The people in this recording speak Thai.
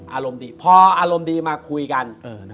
อารมณ์ดีพออารมณ์ดีมาคุยกัน